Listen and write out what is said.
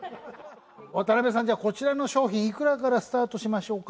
渡邊さんじゃあこちらの商品いくらからスタートしましょうか？